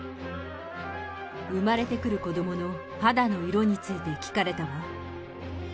生まれてくる子どもの肌の色について聞かれたわ。